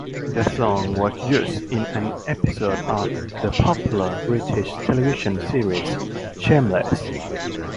The song was used in an episode of the popular British television series "Shameless".